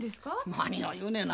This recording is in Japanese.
何を言うねんな。